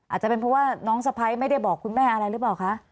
อาจจะเป็นเพราะว่าน้องสะพ้ายไม่ได้บอกคุณแม่อะไรหรือเปล่าคะ